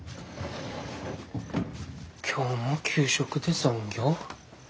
今日も給食で残業？